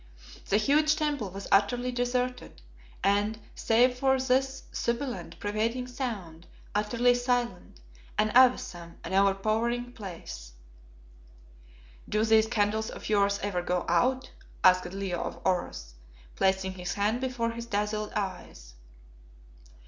The huge temple was utterly deserted, and, save for this sybilant, pervading sound, utterly silent; an awesome, an overpowering place. "Do these candles of yours ever go out?" asked Leo of Oros, placing his hand before his dazzled eyes.